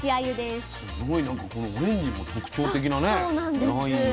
すごいなんかこのオレンジの特徴的なね